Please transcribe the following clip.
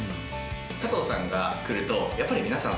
加藤さんが来るとやっぱり皆さん